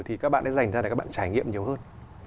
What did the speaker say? thì các bạn đã dành ra để các bạn trải nghiệm nhiều hơn